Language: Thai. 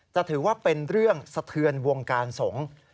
จะถือว่าเป็นเรื่องสะเทือนวงการสงฆ์